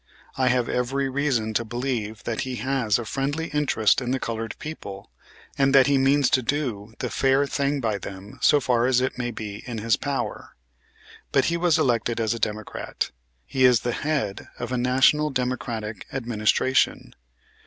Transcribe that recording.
I have every reason to believe that he has a friendly interest in the colored people and that he means to do the fair thing by them so far as it may be in his power. But he was elected as a Democrat. He is the head of a National Democratic Administration.